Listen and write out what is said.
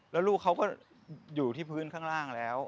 แล้วลูกเขาก็อยู่ที่พื้นข้างล่างแล้ว